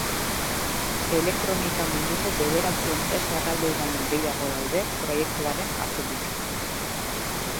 Elektronika munduko bederatzi enpresa erraldoi baino gehiago daude proiektuaren atzetik.